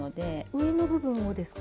上の部分をですか？